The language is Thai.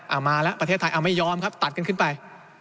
มาแล้วประเทศไทยเอาไม่ยอมครับตัดกันขึ้นไป